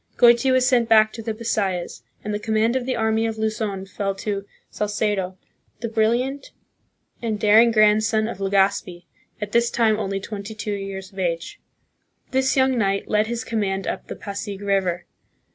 Goiti was sent back to the Bisayas, and the command of the army of Luzon fell to Salcedo, the brilliant and CONQUEST AND SETTLEMENT, 1565 1600. 137 daring grandson of Legazpi, at this time only twenty two years of age. This young knight led his command up the Pasig River.